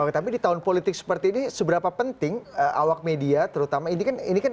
oke tapi di tahun politik seperti ini seberapa penting awak media terutama ini kan semua berbicara tentang berita